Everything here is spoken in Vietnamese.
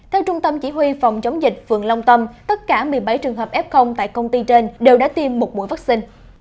theo trung tâm chỉ huy phòng chống dịch phường long tâm tất cả một mươi bảy trường hợp f tại công ty trên đều đã tiêm một mũi vaccine